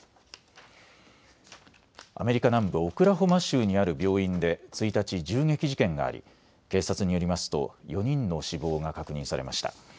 アメリカ南部オクラホマ州にある病院で１日、銃撃事件があり警察によりますと４人の死亡が確認されました。